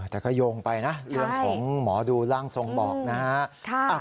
แต่ก็โยงไปนะเรื่องของหมอดูร่างทรงบอกนะฮะ